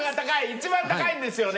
一番高いんですよね？